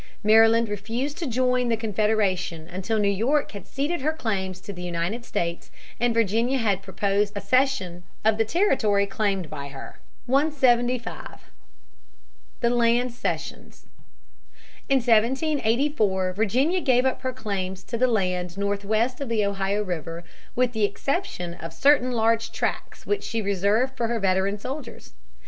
Maryland refused to join the Confederation until New York had ceded her claims to the United States, and Virginia had proposed a cession of the territory claimed by her. [Sidenote: The states cede their claims to the United States. McMaster, 159 160.] 175. The Land Cessions. In 1784 Virginia gave up her claims to the land northwest of the Ohio River with the exception of certain large tracts which she reserved for her veteran soldiers.